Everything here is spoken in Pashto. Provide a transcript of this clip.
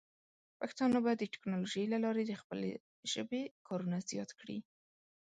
پښتانه به د ټیکنالوجۍ له لارې د خپلې ژبې کارونه زیات کړي.